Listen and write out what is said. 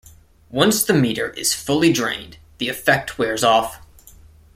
Once the meter is fully drained, the effect wears off.